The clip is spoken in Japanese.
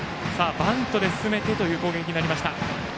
バントで進めてという攻撃になりました。